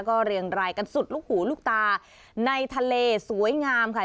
ก็เรียงรายกันสุดลูกหูลูกตาในทะเลสวยงามค่ะ